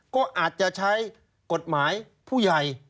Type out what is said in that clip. ก็อาจจะใช้กฎหมายผู้ใหญ่